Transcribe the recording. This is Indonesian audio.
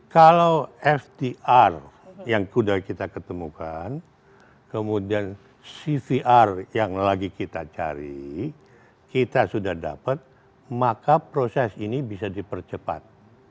kalau fdr yang sudah kita ketemukan kemudian cvr yang lagi kita cari kita sudah dapat maka proses ini bisa dipercepat